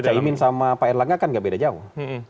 caimin sama pak erlangga kan nggak beda jauh